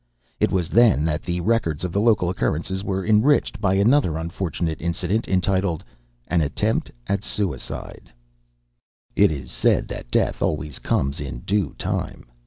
It was then that the records of the local occurrences were enriched by another unfortunate incident, entitled "An Attempt at Suicide." ........ It is said that death always comes in due time.